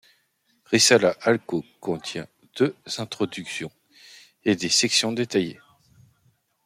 Risalah al-Huquq contient deux introductions et des sections détaillées.